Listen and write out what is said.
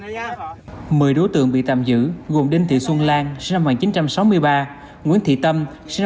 một mươi đối tượng bị tạm giữ gồm đinh thị xuân lan nguyễn thị tâm